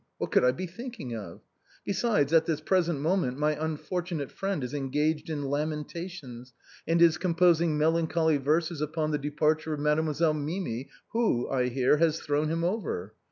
What could I be thinking of? Besides, at this present moment my unfortunate friend is engaged in lamentations, and is composing melancholy verses upon the departure of Made moiselle Mimi, who, I hear, has thrown him over.